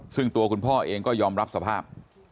ซึ่งตัวคุณพ่อเองก็ยอมรับสภาพ